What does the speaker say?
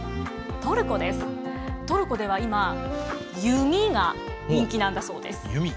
トルコでは、今弓が人気なんだそうです。